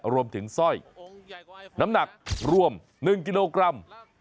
สร้อยน้ำหนักรวม๑กิโลกรัม